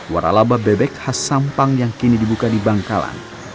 waralaba bebek khas sampang yang kini dibuka di bangkalan